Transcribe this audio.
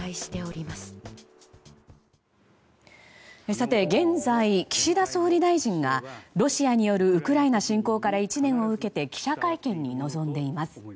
さて、現在岸田総理大臣がロシアによるウクライナ侵攻から１年を受けて記者会見に臨んでいます。